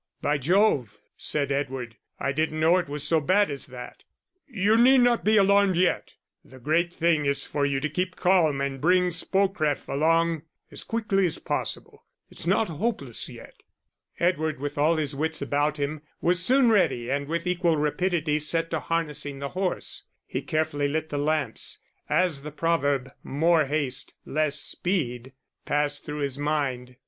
"By Jove," said Edward, "I didn't know it was so bad as that." "You need not get alarmed yet the great thing is for you to keep calm and bring Spocref along as quickly as possible. It's not hopeless yet." Edward, with all his wits about him, was soon ready and with equal rapidity set to harnessing the horse; he carefully lit the lamps, as the proverb, more haste, less speed, passed through his mind.